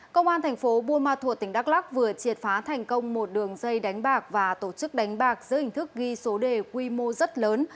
công an thành phố buôn ma thuột tỉnh đắk lắc vừa triệt phá thành công một đường dây đánh bạc và tổ chức đánh bạc giữa hình thức ghi số đề quy mô rất lớn